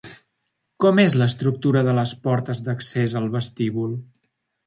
Com és l'estructura de les portes d'accés al vestíbul?